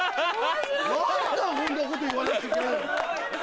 何でこんなこと言わなくちゃいけないの？